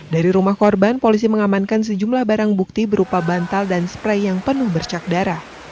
dari rumah korban polisi mengamankan sejumlah barang bukti berupa bantal dan spray yang penuh bercak darah